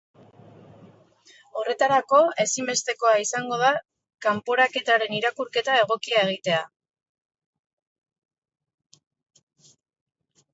Horretarako, ezinbestekoa izango da kanporaketaren irakurketa egokia egitea.